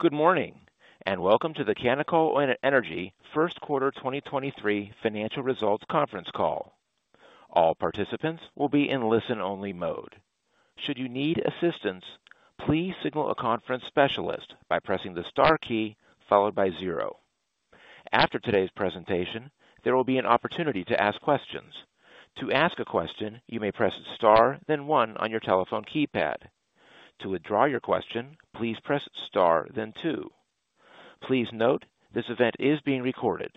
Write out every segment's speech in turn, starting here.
Good morning, and welcome to the Canacol Energy first quarter 2023 financial results conference call. All participants will be in listen-only mode. Should you need assistance, please signal a conference specialist by pressing the star key followed by zero. After today's presentation, there will be an opportunity to ask questions. To ask a question, you may press star then one on your telephone keypad. To withdraw your question, please press star then two. Please note, this event is being recorded.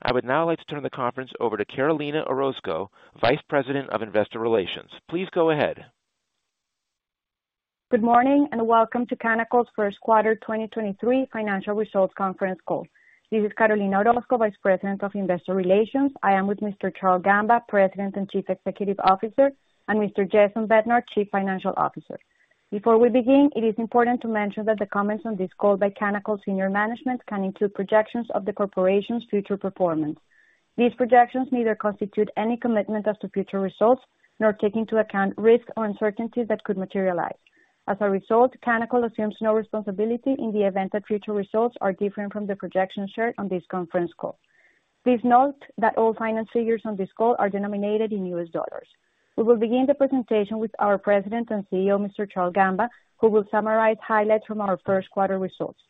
I would now like to turn the conference over to Carolina Orozco, Vice President of Investor Relations. Please go ahead. Good morning, welcome to Canacol's first quarter 2023 financial results conference call. This is Carolina Orozco, Vice President of Investor Relations. I am with Mr. Charle Gamba, President and Chief Executive Officer, and Mr. Jason Bednar, Chief Financial Officer. Before we begin, it is important to mention that the comments on this call by Canacol's senior management can include projections of the corporation's future performance. These projections neither constitute any commitment as to future results, nor take into account risks or uncertainties that could materialize. As a result, Canacol assumes no responsibility in the event that future results are different from the projections shared on this conference call. Please note that all finance figures on this call are denominated in US dollars. We will begin the presentation with our President and CEO, Mr. Charle Gamba, who will summarize highlights from our first quarter results.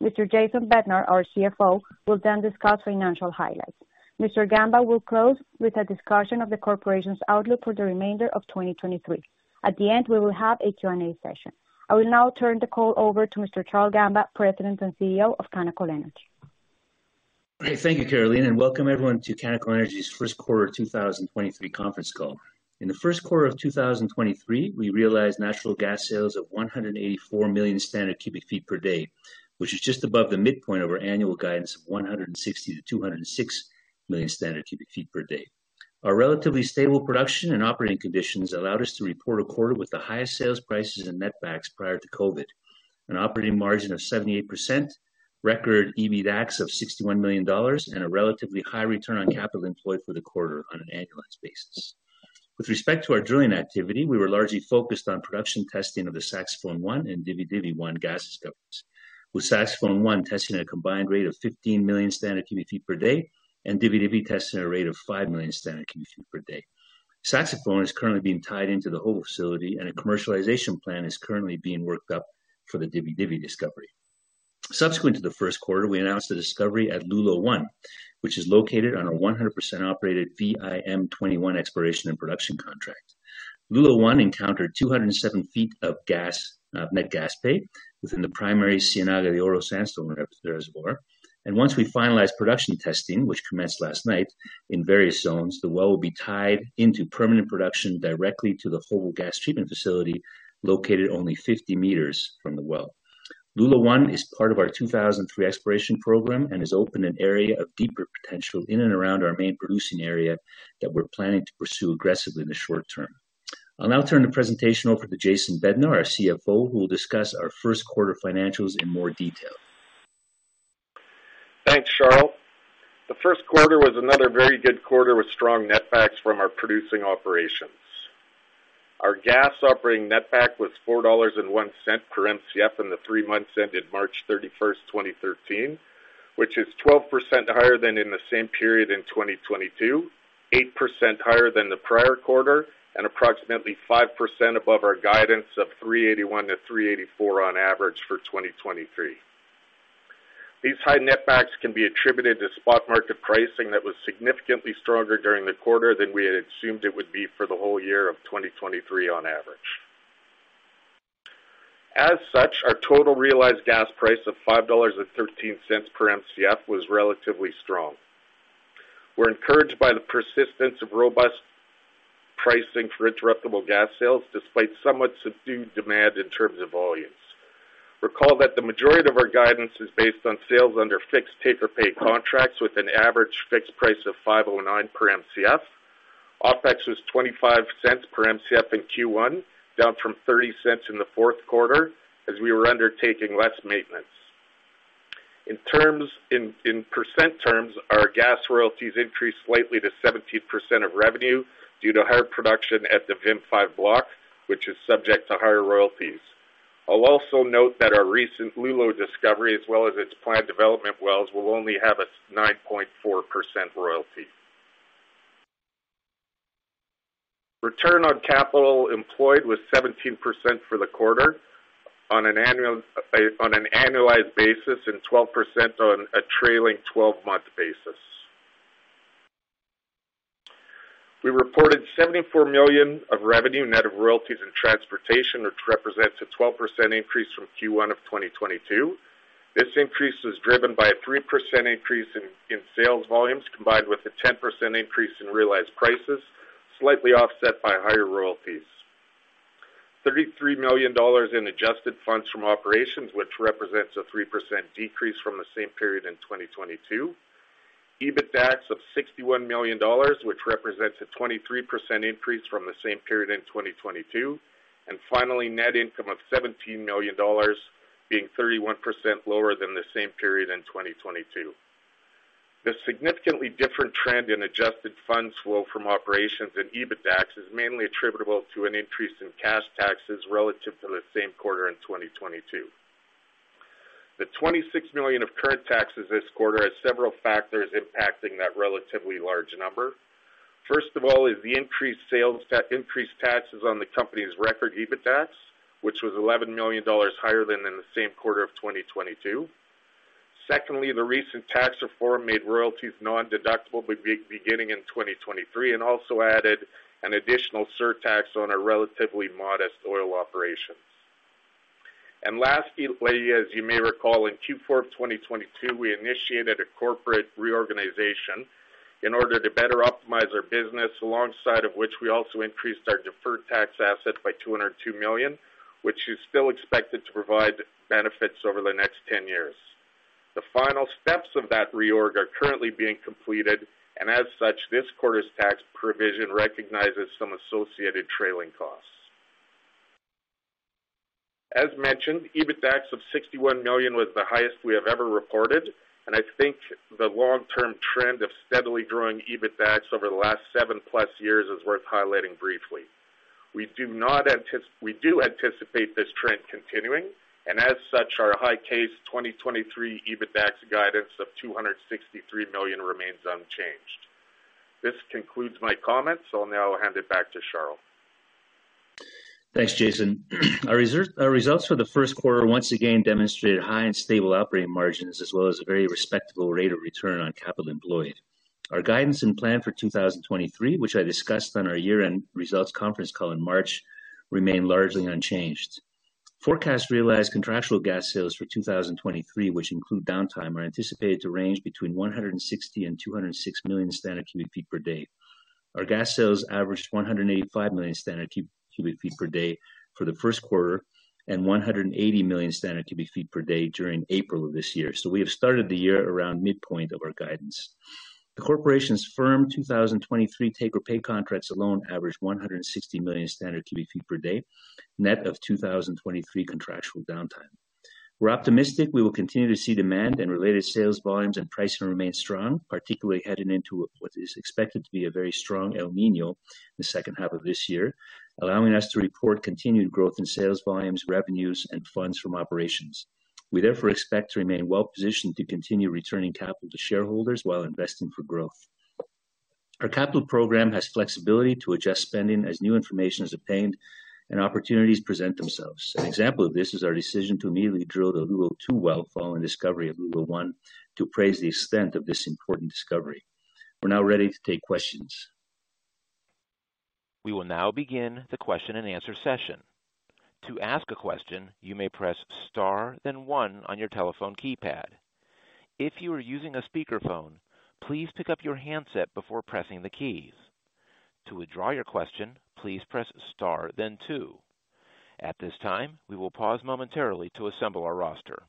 Mr. Jason Bednar, our CFO, will then discuss financial highlights. Mr. Gamba will close with a discussion of the corporation's outlook for the remainder of 2023. At the end, we will have a Q&A session. I will now turn the call over to Mr. Charle Gamba, President and CEO of Canacol Energy. Thank you, Carolina. Welcome everyone to Canacol Energy's first quarter 2023 conference call. In the first quarter of 2023, we realized natural gas sales of 184 million standard cubic feet per day, which is just above the midpoint of our annual guidance of 160-206 million standard cubic feet per day. Our relatively stable production and operating conditions allowed us to report a quarter with the highest sales prices and netbacks prior to COVID, an operating margin of 8%, record EBITDAX of $61 million, and a relatively high return on capital employed for the quarter on an annualized basis. With respect to our drilling activity, we were largely focused on production testing of the Saxofon-1 and Dividivi-1 gas discoveries, with Saxofon-1 testing at a combined rate of 15 million standard cubic feet per day and Dividivi testing at a rate of 5 million standard cubic feet per day. Saxofon is currently being tied into the Jobo facility, a commercialization plan is currently being worked up for the Dividivi discovery. Subsequent to the first quarter, we announced a discovery at Lulo-1, which is located on a 100% operated VIM21 exploration and production contract. Lulo-1 encountered 207 feet of gas, net gas pay within the primary Cienaga de Oro sandstone reservoir. Once we finalize production testing, which commenced last night in various zones, the well will be tied into permanent production directly to the whole gas treatment facility located only 50 meters from the well. Lulo-1 is part of our 2003 exploration program and has opened an area of deeper potential in and around our main producing area that we're planning to pursue aggressively in the short term. I'll now turn the presentation over to Jason Bednar, our CFO, who will discuss our first quarter financials in more detail. Thanks, Charle. The first quarter was another very good quarter with strong netbacks from our producing operations. Our gas operating netback was $4.01 per Mcf in the three months ended March 31, 2013, which is 12% higher than in the same period in 2022, 8% higher than the prior quarter, and approximately 5% above our guidance of $3.81-$3.84 on average for 2023. These high netbacks can be attributed to spot market pricing that was significantly stronger during the quarter than we had assumed it would be for the whole year of 2023 on average. Our total realized gas price of $5.13 per Mcf was relatively strong. We're encouraged by the persistence of robust pricing for interruptible gas sales, despite somewhat subdued demand in terms of volumes. Recall that the majority of our guidance is based on sales under fixed take-or-pay contracts with an average fixed price of $5.09 per Mcf. OpEx was $0.25 per Mcf in Q1, down from $0.30 in the fourth quarter as we were undertaking less maintenance. In percent terms, our gas royalties increased slightly to 17% of revenue due to higher production at the VIM 5 block, which is subject to higher royalties. I'll also note that our recent Lulo discovery as well as its planned development wells will only have a 9.4% royalty. Return on capital employed was 17% for the quarter on an annualized basis, and 12% on a trailing twelve-month basis. We reported $74 million of revenue net of royalties and transportation, which represents a 12% increase from Q1 of 2022. This increase was driven by a 3% increase in sales volumes, combined with a 10% increase in realized prices, slightly offset by higher royalties. $33 million in adjusted funds from operations, which represents a 3% decrease from the same period in 2022. EBITDAX of $61 million, which represents a 23% increase from the same period in 2022. Finally, net income of $17 million, being 31% lower than the same period in 2022. The significantly different trend in adjusted funds flow from operations and EBITDAX is mainly attributable to an increase in cash taxes relative to the same quarter in 2022. The $26 million of current taxes this quarter has several factors impacting that relatively large number. First of all, is the increased sales increased taxes on the company's record EBITDAX, which was $11 million higher than in the same quarter of 2022. Secondly, the recent tax reform made royalties nondeductible beginning in 2023 and also added an additional surtax on our relatively modest oil operations. Lastly, as you may recall, in Q4 of 2022, we initiated a corporate reorganization in order to better optimize our business, alongside of which we also increased our deferred tax asset by $202 million, which is still expected to provide benefits over the next 10 years. The final steps of that reorg are currently being completed, and as such, this quarter's tax provision recognizes some associated trailing costs. As mentioned, EBITDAX of $61 million was the highest we have ever reported, and I think the long-term trend of steadily growing EBITDAX over the last 7+ years is worth highlighting briefly. We do anticipate this trend continuing, and as such, our high case 2023 EBITDAX guidance of $263 million remains unchanged. This concludes my comments. I'll now hand it back to Charles. Thanks, Jason. Our results for the first quarter once again demonstrated high and stable operating margins as well as a very respectable rate of return on capital employed. Our guidance and plan for 2023, which I discussed on our year-end results conference call in March, remain largely unchanged. Forecast realized contractual gas sales for 2023, which include downtime, are anticipated to range between 160 million and 206 million standard cubic feet per day. Our gas sales averaged 185 million standard cubic feet per day for the first quarter and 180 million standard cubic feet per day during April of this year. We have started the year around midpoint of our guidance. The corporation's firm 2023 take-or-pay contracts alone average 160 million standard cubic feet per day, net of 2023 contractual downtime. We're optimistic we will continue to see demand and related sales volumes and pricing remain strong, particularly heading into what is expected to be a very strong El Niño the second half of this year, allowing us to report continued growth in sales volumes, revenues, and funds from operations. We expect to remain well positioned to continue returning capital to shareholders while investing for growth. Our capital program has flexibility to adjust spending as new information is obtained and opportunities present themselves. An example of this is our decision to immediately drill the Lulo-2 well following discovery of Lulo-1 to appraise the extent of this important discovery. We're now ready to take questions. We will now begin the question-and-answer session. To ask a question, you may press star, then one on your telephone keypad. If you are using a speakerphone, please pick up your handset before pressing the keys. To withdraw your question, please press star then two. At this time, we will pause momentarily to assemble our roster.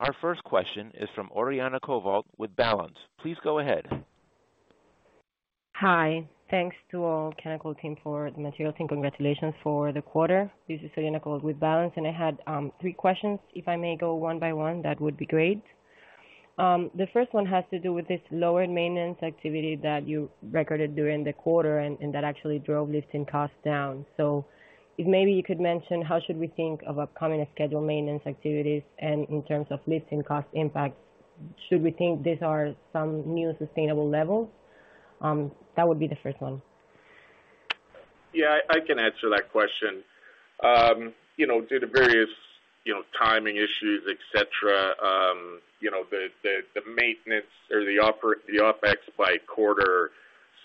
Our first question is from Oriana Oriana Covault with Balanz. Please go ahead. Hi. Thanks to all Canacol team for the material, team, congratulations for the quarter. This is Oriana Covault with Balanz. I had tree questions. If I may go one by one, that would be great. The first one has to do with this lower maintenance activity that you recorded during the quarter and that actually drove lifting costs down. If maybe you could mention how should we think of upcoming scheduled maintenance activities and in terms of lifting cost impact, should we think these are some new sustainable levels? That would be the first one. Yeah, I can answer that question. You know, due to various, you know, timing issues, et cetera, you know, the, the maintenance or the OpEx by quarter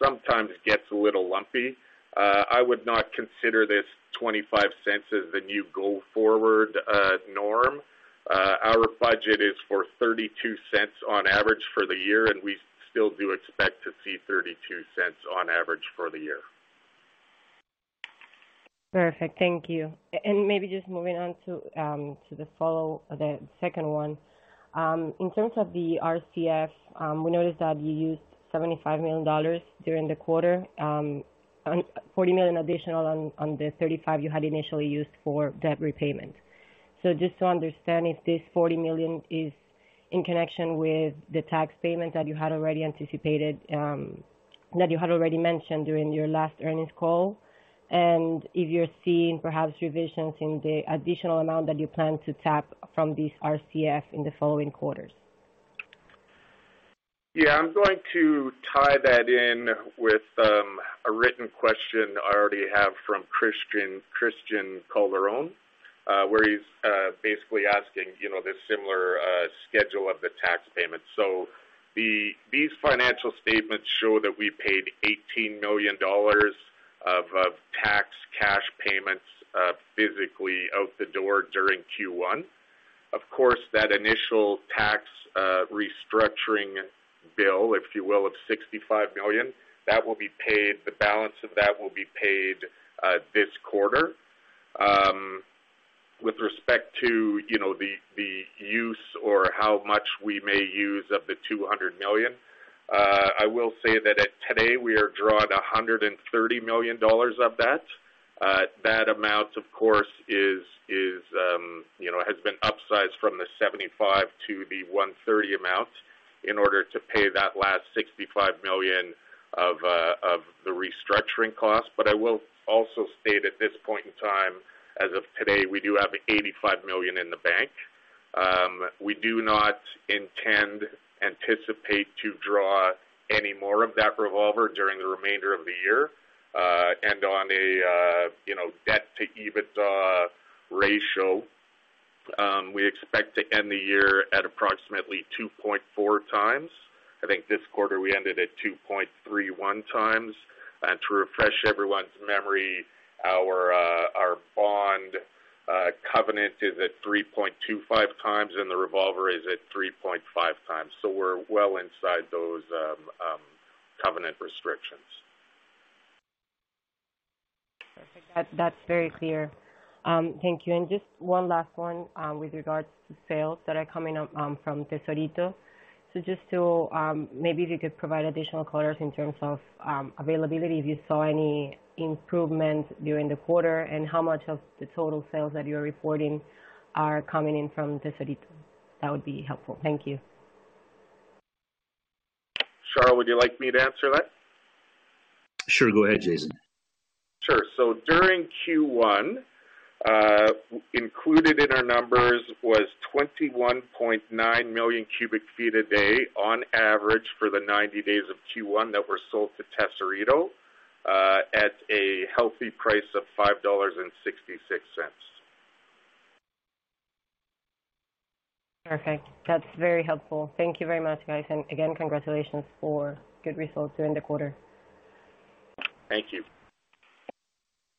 sometimes gets a little lumpy. I would not consider this $0.25 as the new go-forward norm. Our budget is for $0.32 on average for the year, and we still do expect to see $0.32 on average for the year. Perfect. Thank you. maybe just moving on to the second one. In terms of the RCF, we noticed that you used $75 million during the quarter, and $40 million additional on the $35 million you had initially used for debt repayment. Just to understand if this $40 million is in connection with the tax payment that you had already anticipated, that you had already mentioned during your last earnings call, and if you're seeing perhaps revisions in the additional amount that you plan to tap from this RCF in the following quarters? I'm going to tie that in with a written question I already have from Christian Calderon, where he's basically asking, you know, the similar schedule of the tax payment. These financial statements show that we paid $18 million of tax cash payments, physically out the door during Q1. Of course, that initial tax restructuring bill, if you will, of $65 million, the balance of that will be paid this quarter. With respect to, you know, the use or how much we may use of the $200 million, I will say that at today we have drawn $130 million of that. That amount, of course, is, you know, has been upsized from the 75 to the 130 amount in order to pay that last $65 million of the restructuring costs. I will also state at this point in time, as of today, we do have $85 million in the bank. We do not intend, anticipate to draw any more of that revolver during the remainder of the year. On a, you know, debt-to-EBITDA ratio, we expect to end the year at approximately 2.4x. I think this quarter we ended at 2.31x. To refresh everyone's memory, our bond covenant is at 3.25x and the revolver is at 3.5x. We're well inside those covenant restrictions. Perfect. That's very clear. Thank you. Just one last one, with regards to sales that are coming up, from Tesorito. Just to, maybe if you could provide additional colors in terms of availability, if you saw any improvement during the quarter, and how much of the total sales that you're reporting are coming in from Tesorito. That would be helpful. Thank you. Charle, would you like me to answer that? Sure. Go ahead, Jason. Sure. During Q1, included in our numbers was 21.9 million cubic feet a day on average for the 90 days of Q1 that were sold to Tesorito at a healthy price of $5.66. Okay. That's very helpful. Thank you very much, guys. Again, congratulations for good results during the quarter. Thank you.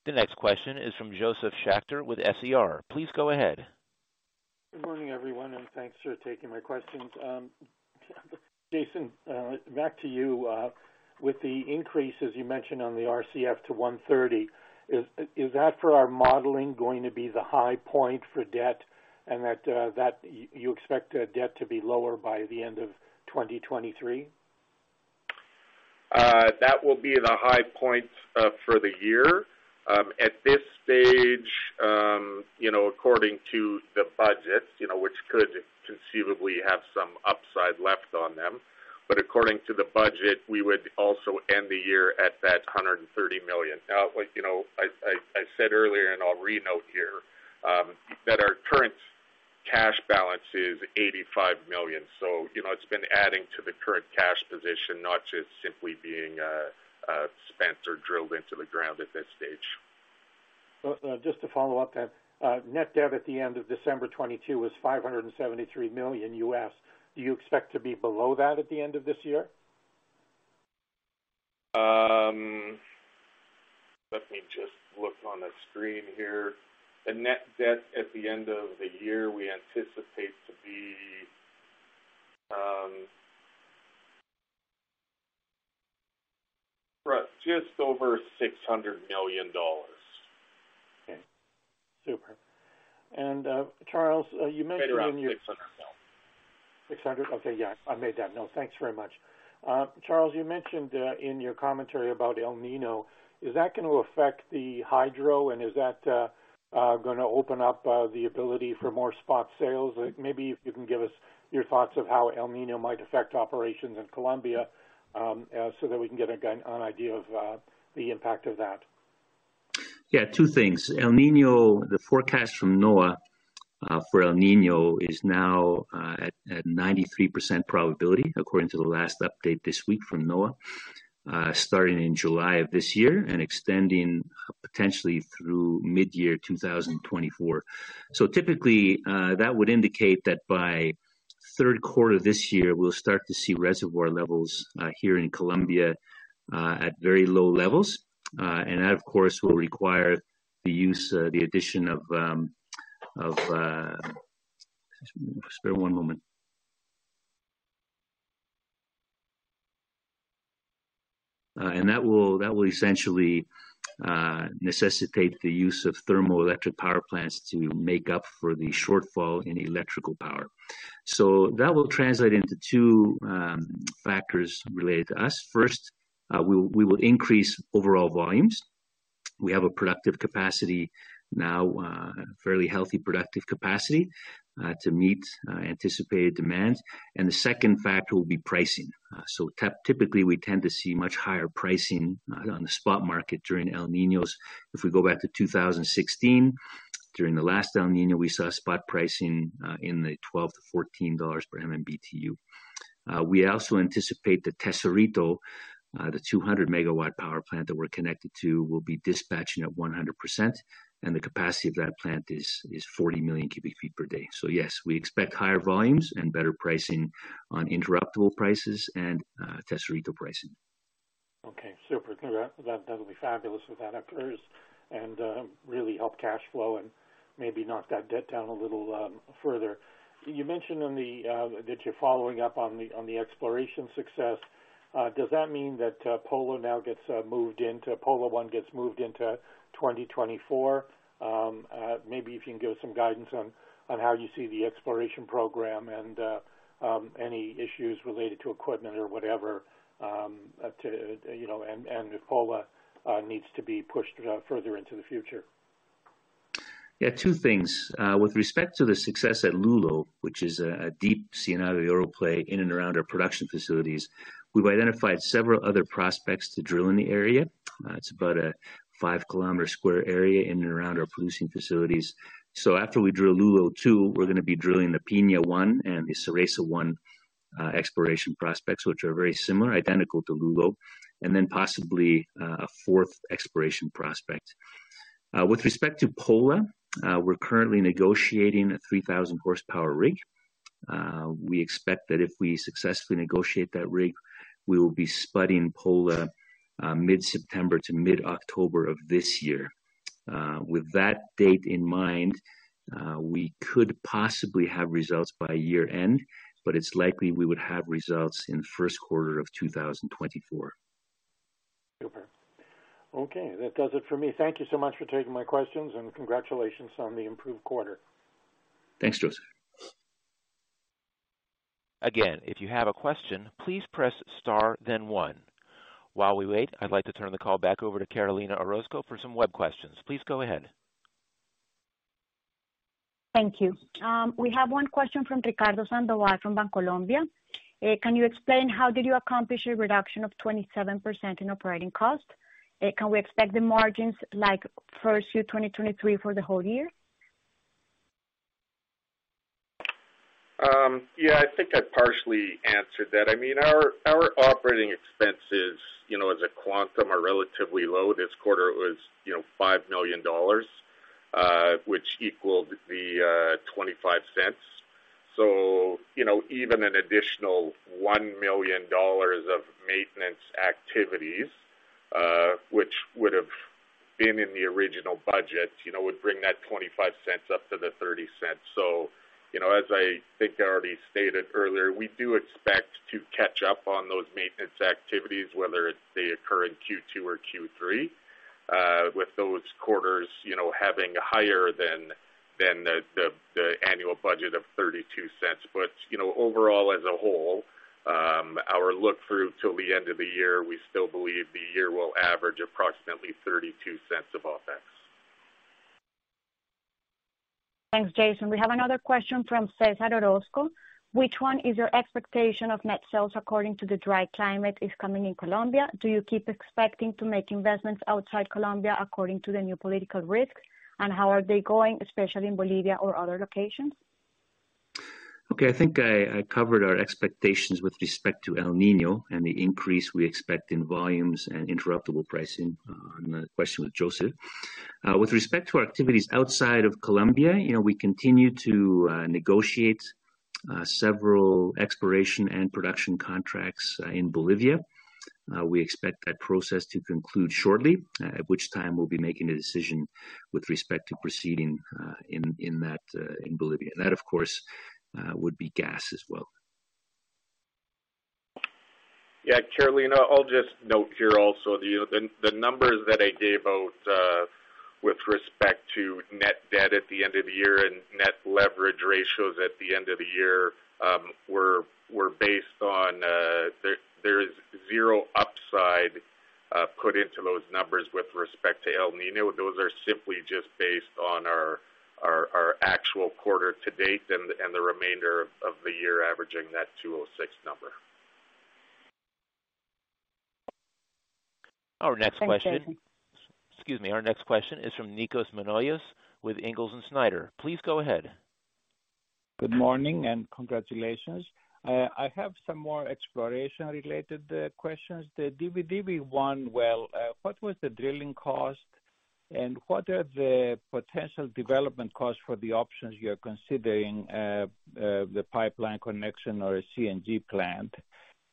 The next question is from Josef Schachter with SER. Please go ahead. Good morning, everyone, and thanks for taking my questions. Jason, back to you. With the increase, as you mentioned on the RCF to $130, is that for our modeling going to be the high point for debt and that you expect debt to be lower by the end of 2023? That will be the high point for the year. At this stage, you know, according to the budget, you know, which could conceivably have some upside left on them. According to the budget, we would also end the year at that $130 million. Like, you know, I said earlier, and I'll re-note here that our current cash balance is $85 million. You know, it's been adding to the current cash position, not just simply being spent or drilled into the ground at this stage. Just to follow up, net debt at the end of December 2022 was $573 million. Do you expect to be below that at the end of this year? Let me just look on the screen here. The net debt at the end of the year we anticipate to be just over $600 million. Okay. Super. Charles, you mentioned in your-. Right around $600 mil. 600? Okay. Yeah, I made that note. Thanks very much. Charles, you mentioned, in your commentary about El Niño, is that gonna affect the hydro, and is that gonna open up the ability for more spot sales? Maybe if you can give us your thoughts of how El Niño might affect operations in Colombia, so that we can get an idea of the impact of that. Yeah, two things. El Niño, the forecast from NOAA for El Niño is now at 93% probability, according to the last update this week from NOAA, starting in July of this year and extending potentially through midyear 2024. Typically, that would indicate that by third quarter this year, we'll start to see reservoir levels here in Colombia at very low levels. That, of course, will require the use, the addition of. Just bear one moment. That will essentially necessitate the use of thermoelectric power plants to make up for the shortfall in electrical power. That will translate into two factors related to us. First, we will increase overall volumes. We have a productive capacity now, a fairly healthy, productive capacity, to meet anticipated demand. The second factor will be pricing. Typically, we tend to see much higher pricing on the spot market during El Niños. If we go back to 2016, during the last El Niño, we saw spot pricing in the $12-$14 per MMBTU. We also anticipate that Tesorito, the 200 megawatt power plant that we're connected to, will be dispatching at 100%, and the capacity of that plant is 40 million cubic feet per day. Yes, we expect higher volumes and better pricing on interruptible prices and Tesorito pricing. Okay, super. That'll be fabulous if that occurs and really help cash flow and maybe knock that debt down a little further. You mentioned that you're following up on the exploration success. Does that mean that Polo now gets moved into... Polo One gets moved into 2024? Maybe if you can give us some guidance on how you see the exploration program and any issues related to equipment or whatever, to, you know, and if Polo needs to be pushed further into the future. Yeah, two things. With respect to the success at Lulo, which is a deep Cienaga de Oro play in and around our production facilities, we've identified several other prospects to drill in the area. It's about a 5-kilometer square area in and around our producing facilities. After we drill Lulo-2, we're gonna be drilling the Piña Norte-1 and the Cereza-1 exploration prospects, which are very similar, identical to Lulo, and then possibly a fourth exploration prospect. With respect to Polo, we're currently negotiating a 3,000 horsepower rig. We expect that if we successfully negotiate that rig, we will be spudding Polo mid-September to mid-October of this year. With that date in mind, we could possibly have results by year-end, but it's likely we would have results in first quarter of 2024. Super. Okay, that does it for me. Thank you so much for taking my questions, and congratulations on the improved quarter. Thanks, Joseph. Again, if you have a question, please press star then one. While we wait, I'd like to turn the call back over to Carolina Orozco for some web questions. Please go ahead. Thank you. We have one question from Ricardo Sandoval from Bancolombia. Can you explain how did you accomplish a reduction of 27% in operating costs? Can we expect the margins like first Q 2023 for the whole year? Yeah, I think I partially answered that. I mean, our operating expenses, you know, as a quantum are relatively low. This quarter it was, you know, $5 million, which equaled the $0.25. Even an additional $1 million of maintenance activities, which would have been in the original budget, you know, would bring that $0.25 up to the $0.30. As I think I already stated earlier, we do expect to catch up on those maintenance activities, whether it's they occur in Q2 or Q3, with those quarters, you know, having higher than the annual budget of $0.32. Overall, as a whole, our look-through till the end of the year, we still believe the year will average approximately $0.32 of OpEx. Thanks, Jason. We have another question from Cesar Orozco. Which one is your expectation of net sales according to the dry climate is coming in Colombia? Do you keep expecting to make investments outside Colombia according to the new political risks? How are they going, especially in Bolivia or other locations? Okay, I think I covered our expectations with respect to El Niño and the increase we expect in volumes and interruptible pricing, on a question with Josef. With respect to our activities outside of Colombia, you know, we continue to negotiate several exploration and production contracts in Bolivia. We expect that process to conclude shortly, at which time we'll be making a decision with respect to proceeding in that in Bolivia. That, of course, would be gas as well. Carolina, I'll just note here also that, you know, the numbers that I gave out with respect to net debt at the end of the year and net leverage ratios at the end of the year were based on there is zero upside put into those numbers with respect to El Niño. Those are simply just based on our actual quarter to date and the remainder of the year averaging that 206 number. Thanks, Jason. Excuse me. Our next question is from Nikos Manolios with Ingalls & Snyder. Please go ahead. Good morning and congratulations. I have some more exploration related questions. The Dividivi 1 well, what was the drilling cost? What are the potential development costs for the options you're considering, the pipeline connection or a CNG plant?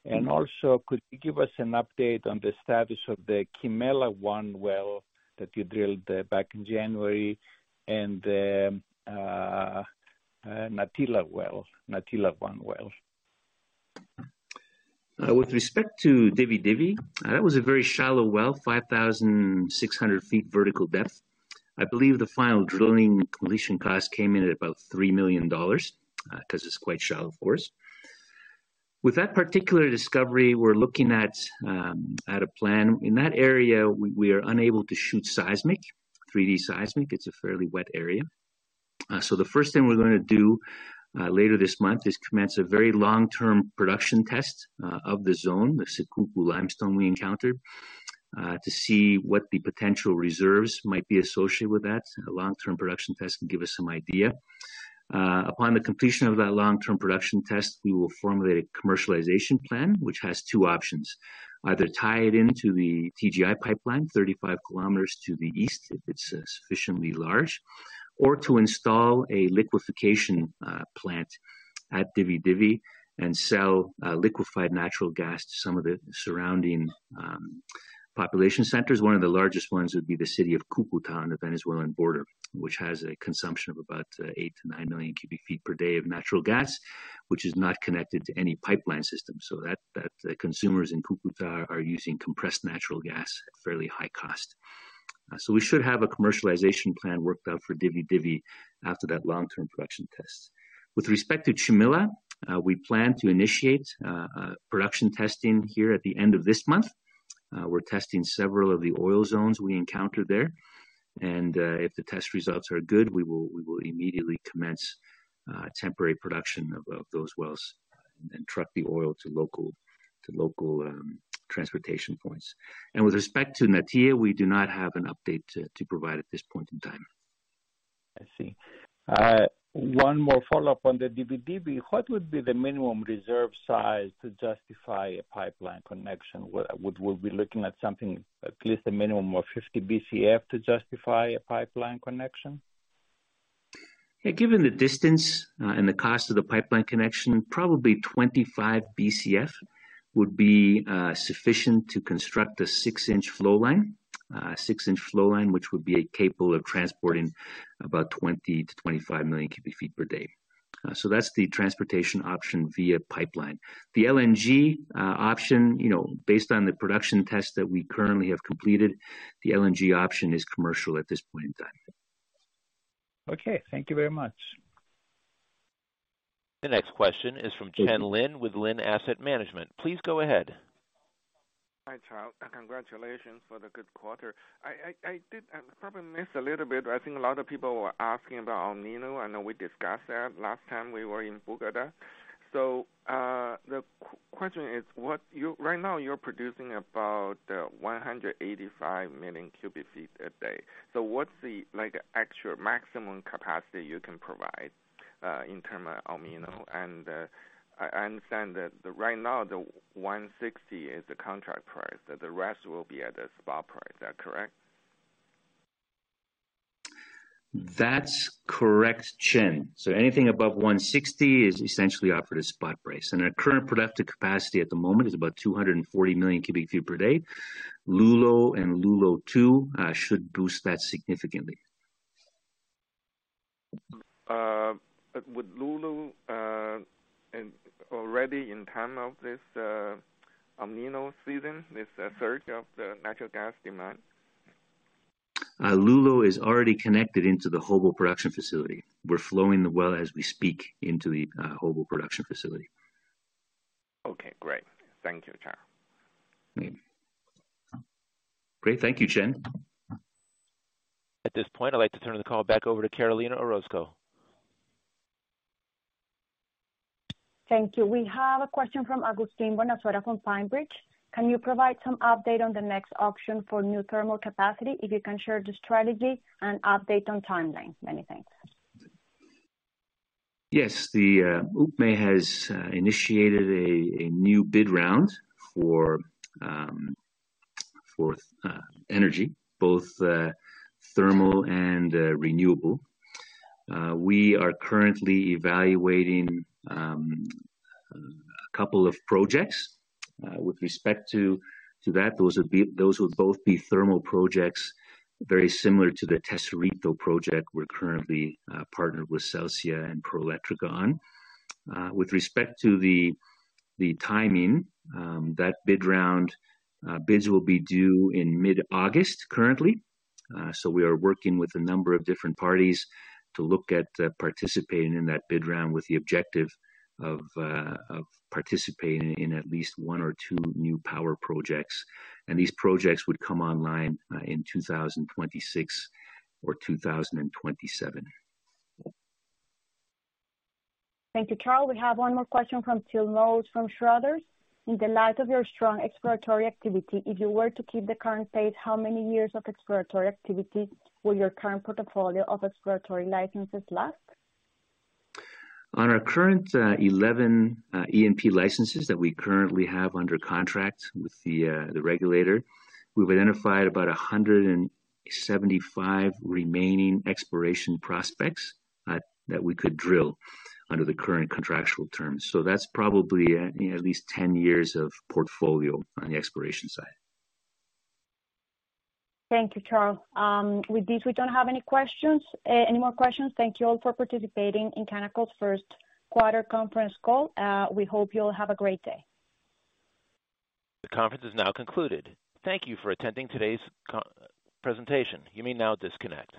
Could you give us an update on the status of the Chimela 1 well that you drilled back in January and the Natilla well, Natilla one well? With respect to Dividivi, that was a very shallow well, 5,600 feet vertical depth. I believe the final drilling completion cost came in at about $3 million, 'cause it's quite shallow for us. With that particular discovery, we're looking at a plan. In that area, we are unable to shoot seismic, 3-D seismic. It's a fairly wet area. The first thing we're gonna do later this month is commence a very long-term production test of the zone, the Cicuco Limestone we encountered, to see what the potential reserves might be associated with that. A long-term production test can give us some idea. Upon the completion of that long-term production test, we will formulate a commercialization plan, which has two options: either tie it into the TGI pipeline 35 kilometers to the east, if it's sufficiently large, or to install a liquefaction plant at Dividivi and sell liquefied natural gas to some of the surrounding population centers. One of the largest ones would be the city of Cucuta on the Venezuelan border, which has a consumption of about 8 to 9 million cubic feet per day of natural gas, which is not connected to any pipeline system. That consumers in Cucuta are using compressed natural gas at fairly high cost. We should have a commercialization plan worked out for Dividivi after that long-term production test. With respect to Chimela, we plan to initiate production testing here at the end of this month. We're testing several of the oil zones we encounter there, and if the test results are good, we will immediately commence temporary production of those wells and truck the oil to local transportation points. With respect to Natilla, we do not have an update to provide at this point in time. I see. One more follow-up on the Dividivi. What would be the minimum reserve size to justify a pipeline connection? Would we be looking at something at least a minimum of 50 BCF to justify a pipeline connection? Given the distance and the cost of the pipeline connection, probably 25 BCF would be sufficient to construct a 6-inch flow line. A 6-inch flow line, which would be capable of transporting about 20-25 million cubic feet per day. That's the transportation option via pipeline. The LNG option, you know, based on the production test that we currently have completed, the LNG option is commercial at this point in time. Okay. Thank you very much. The next question is from Chen Lin with Lin Asset Management. Please go ahead. Hi, Charle, congratulations for the good quarter. I did probably missed a little bit. I think a lot of people were asking about El Niño. I know we discussed that last time we were in Bogota. The question is: Right now, you're producing about 185 million cubic feet a day. What's the, like, actual maximum capacity you can provide in term of El Niño? I understand that right now, the 160 is the contract price, that the rest will be at a spot price. Is that correct? That's correct, Chen. Anything above 160 is essentially offered a spot price. Our current productive capacity at the moment is about 240 million cubic feet per day. Lulo and Lulo-2 should boost that significantly. Would Lulo, and already in time of this El Niño season, this surge of the natural gas demand? Lulo is already connected into the Jobo production facility. We're flowing the well as we speak into the Jobo production facility. Okay, great. Thank you, Charles. Mm-hmm. Great. Thank you, Chen. At this point, I'd like to turn the call back over to Carolina Orozco. Thank you. We have a question from Agustin O'Donoghue from Pinebridge. Can you provide some update on the next option for new thermal capacity? If you can share the strategy and update on timelines. Many thanks. Yes. The UPME has initiated a new bid round for energy, both thermal and renewable. We are currently evaluating a couple of projects with respect to that. Those would both be thermal projects very similar to the Tesorito project we're cur rently partnered with Celsia and Proeléctrica on. With respect to the timing, that bid round, bids will be due in mid-August currently. We are working with a number of different parties to look at participating in that bid round with the objective of participating in at least 1 or 2 new power projects. These projects would come online in 2026 or 2027. Thank you, Charle. We have one more question from Teal Knowles from Schroders. In the light of your strong exploratory activity, if you were to keep the current pace, how many years of exploratory activity will your current portfolio of exploratory licenses last? On our current 11 E&P licenses that we currently have under contract with the regulator, we've identified about 175 remaining exploration prospects that we could drill under the current contractual terms. That's probably, you know, at least 10 years of portfolio on the exploration side. Thank you, Charles. With this, we don't have any more questions. Thank you all for participating in Canacol's first quarter conference call. We hope you'll have a great day. The conference is now concluded. Thank you for attending today's presentation. You may now disconnect.